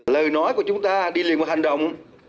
lời nói của chúng ta đi liền một hành động